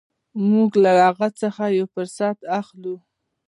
موږ له هغه څخه یو فرصت اخلو.